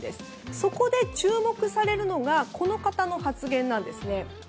そこで注目されるのがこの方の発言なんですね。